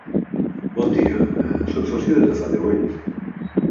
Bon dia, sóc sòcia des de fa deu anys.